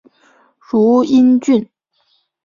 汝阴郡。